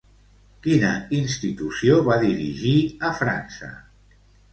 Quina institució va dirigir a França?